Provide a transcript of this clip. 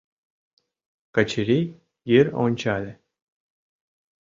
Качырий йыр ончале.